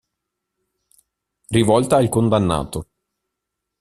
Rivolta al condannato.